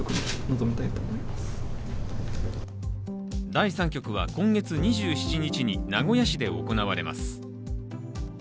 第３局は今月２７日に名古屋市で行われます。